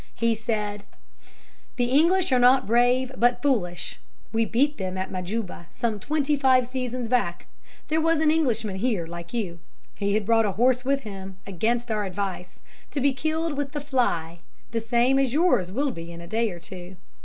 He said: "'The English are not brave, but foolish. We beat them at Majuba, some twenty five seasons back. There was an Englishman here like you; he had brought a horse with him, against our advice, to be killed with the fly, the same as yours will be in a day or two.